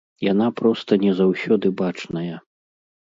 Яна проста не заўсёды бачная.